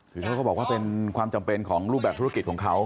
คือเขาก็บอกว่าเป็นความจำเป็นของรูปแบบธุรกิจของเขา